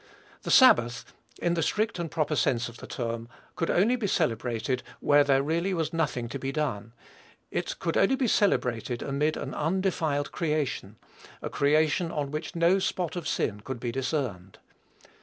The sabbath, in the strict and proper sense of the term, could only be celebrated when there really was nothing to be done. It could only be celebrated amid an undefiled creation, a creation on which no spot of sin could be discerned.